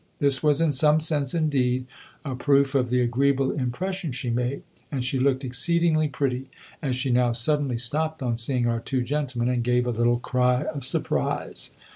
This was in some sense, indeed, a proof of the agreeable impression she made, and she looked exceedingly pretty as she now suddenly stopped on seeing our two gentlemen, and gave a little cry of surprise.